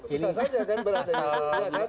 bisa saja kan berasal